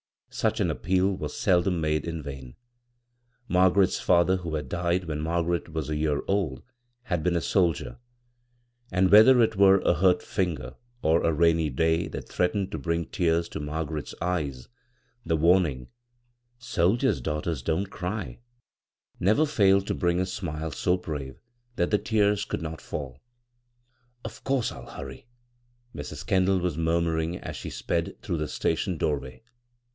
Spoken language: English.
Such an appeal was seldom made in vain. Margaret's father, who had died when Margaret was a year old, had been a soldier ; and whether it were a hurt finger or a rainy day that threatened to bring tears to Margaret's eyes, the warning, " Soldiers' daughtCTS don't cry 1 " never failed to bring a smile so brave that the tears could not Sa^. " Of course I'll hurry," Mrs. Kendall was murmuring, as she sped through the station _iv, Goog[c CROSS CURRENT docMiray.